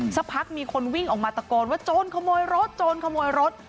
สักพักมีคนวิ่งออกมาตะโกนว่าโจรขโมยรถโจรขโมยรถ